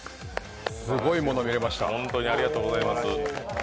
すごいもの見れました。